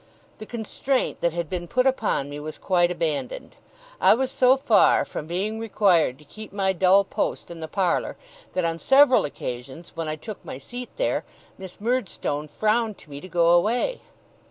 The constraint that had been put upon me, was quite abandoned. I was so far from being required to keep my dull post in the parlour, that on several occasions, when I took my seat there, Miss Murdstone frowned to me to go away.